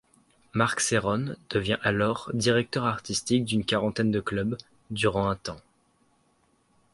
Marc Cerrone devient alors directeur artistique d'une quarantaine de clubs durant un temps.